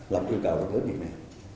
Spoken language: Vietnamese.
làm yêu cầu đối với mình này